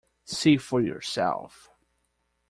See for yourself.